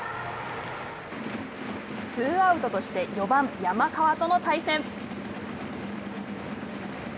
ツーアウトとして４番山川との対戦。